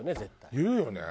言うよね。